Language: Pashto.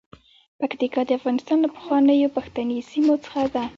پکتیکا د افغانستان له پخوانیو پښتني سیمو څخه ده.